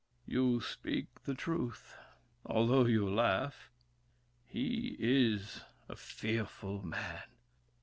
You speak the truth, Although you laugh. He is a fearful man!